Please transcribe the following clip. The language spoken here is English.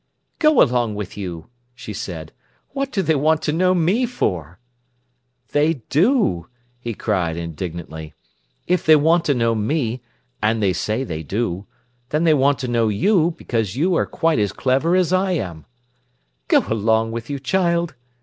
"Go along with you!" she said. "What do they want to know me for?" "They do!" he cried indignantly. "If they want to know me—and they say they do—then they want to know you, because you are quite as clever as I am." "Go along with you, child!"